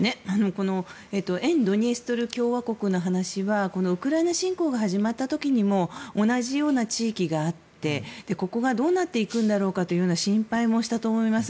沿ドニエストル共和国の話はウクライナ侵攻が始まった時にも同じような地域があってここがどうなっていくんだろうかという心配もしたと思います。